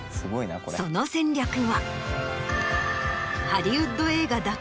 その戦略は。